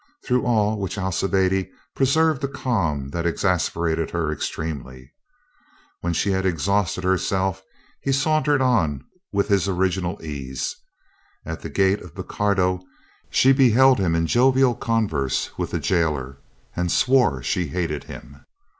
Through all which Alcibiade preserved a calm that exasperated her extremely. When she had ex hausted herself, he sauntered on with his original ease. At the gate of Bocardo she beheld him in jovial converse with the gaoler and swore she hated him.